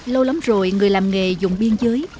lâu lắm rồi người làm nghề dùng biên giới